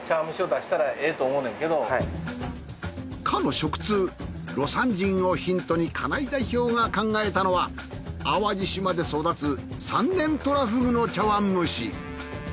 かの食通魯山人をヒントに金井代表が考えたのは淡路島で育つ３年とらふぐの茶碗蒸し。